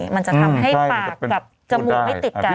มันจะทำให้ปากกับจมูกไม่ติดกัน